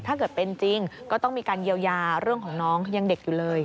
ถ้าเกิดเป็นจริงก็ต้องมีการเยียวยาเรื่องของน้องยังเด็กอยู่เลย